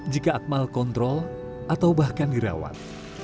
jika akmal kontrol atau bahkan dirawat